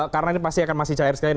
karena ini pasti akan masih cair sekali